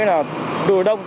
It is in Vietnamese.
là đôi đông